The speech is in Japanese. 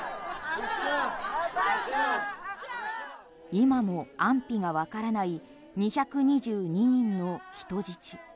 今も安否がわからない２２２人の人質。